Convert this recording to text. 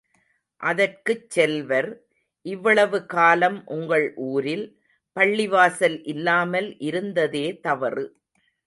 அதற்குச் செல்வர், இவ்வளவு காலம் உங்கள் ஊரில், பள்ளிவாசல் இல்லாமல் இருந்ததே தவறு.